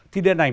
thì điện ảnh